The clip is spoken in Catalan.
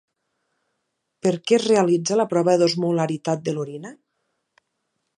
Per què es realitza la prova d'osmolaritat de l'orina?